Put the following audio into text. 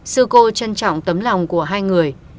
sư cô trân trọng tấm lòng của hai người